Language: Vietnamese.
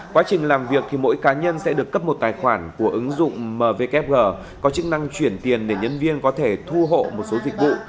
quá trình làm việc thì mỗi cá nhân sẽ được cấp một tài khoản của ứng dụng mvkg có chức năng chuyển tiền để nhân viên có thể thu hộ một số dịch vụ